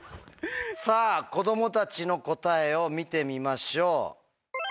さぁ子供たちの答えを見てみましょう。